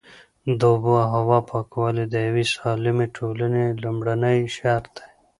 د اوبو او هوا پاکوالی د یوې سالمې ټولنې لومړنی شرط دی.